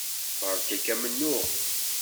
Beṛka-k amennuɣ.